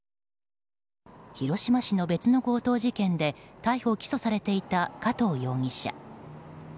広島市の別の強盗事件で逮捕・起訴されていた加藤容疑者。